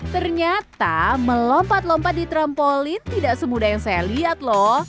ternyata melompat lompat di trampolin tidak semudah yang saya lihat loh